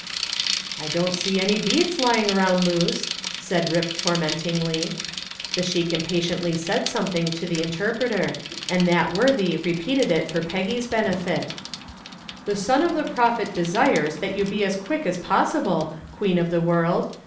"I don't see any beads lying around loose," said "Rip" tormentingly. The sheik impatiently said something to the interpreter and that worthy repeated it for Peggy's benefit. "The Son of the Prophet desires that you be as quick as possible, Queen of the World.